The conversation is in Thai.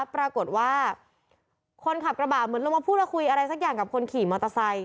ปรากฏว่าคนขับกระบะเหมือนลงมาพูดแล้วคุยอะไรสักอย่างกับคนขี่มอเตอร์ไซค